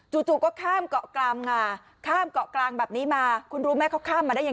จู่ก็ข้ามเกาะกลางงาข้ามเกาะกลางแบบนี้มาคุณรู้ไหมเขาข้ามมาได้ยังไง